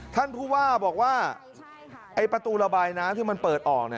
ท่านผู้ว่าบอกว่าประตูระบายน้ำที่มันเปิดออก